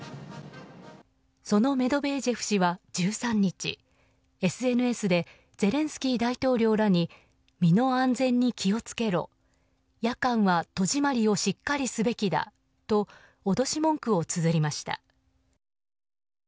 そのメドベージェフ氏は１３日ＳＮＳでゼレンスキー大統領らに身の安全に気を付けろ夜間は戸締まりをしっかりすべきだと脅し文句をつづりました。